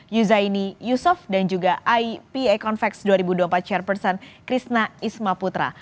yuzaini yusof dan juga ipa convex dua ribu dua puluh empat chairperson krishna ismaputra